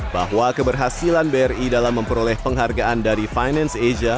bahwa keberhasilan bri dalam memperoleh penghargaan dari finance asia